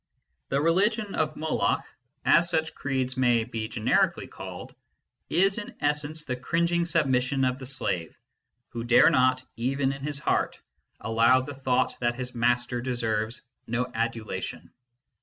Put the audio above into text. The religion of A FREE MAN S WORSHIP 49 Moloch as such creeds may be generically called is in essence the cringing submission of the slave, who dare not, even in his heart, allow the thought that his master deserves no adulation.